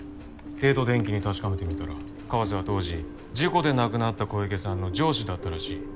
帝都電機に確かめてみたら川瀬は当時事故で亡くなった小池さんの上司だったらしい。